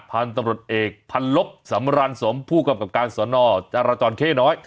ทางตำรวจเอกพันลกสำรรรณสมผู้กำกับการสนจรจรเคน้อย